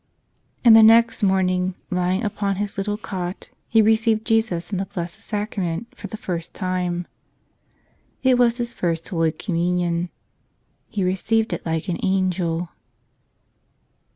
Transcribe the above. And the next morning, lying upon his little cot, he received Jesus in the Blessed Sacrament for the first time. It was his First Communion. He received it like an angel.